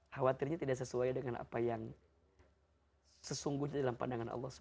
khawatirnya tidak sesuai dengan apa yang sesungguhnya dalam pandangan allah swt